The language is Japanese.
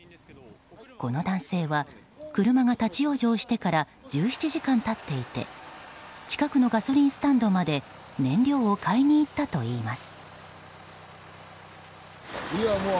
この男性は車が立ち往生してから１７時間経っていて近くのガソリンスタンドまで燃料を買いに行ったといいます。